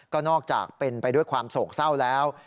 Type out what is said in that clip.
ก็นอกจากเป็นไปด้วยความโศกเศร้าแล้ว